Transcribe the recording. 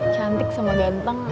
cantik sama ganteng